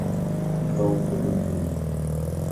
گاڵتە دەکەین.